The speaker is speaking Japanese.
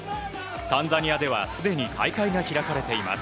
タンザニアではすでに大会が開かれています。